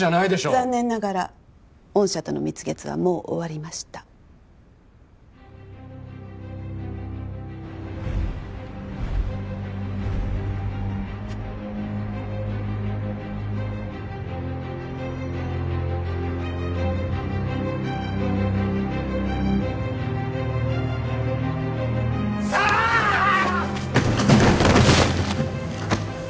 残念ながら御社との蜜月はもう終わりましたクソーッ！